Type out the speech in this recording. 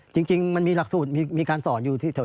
จริงมันมีมีมีการสอนอยู่ที่